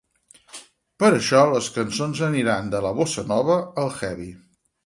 Per això les cançons aniran de la bossa nova al heavy.